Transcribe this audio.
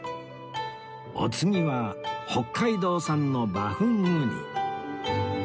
お次は北海道産のバフンウニ